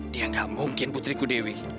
dia enggak mungkin putri kudewi